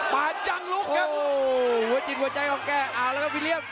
ป่านยังลุกครับโอ้วเจ็ดหัวใจของแกอ่าแล้วครับวิลเลียม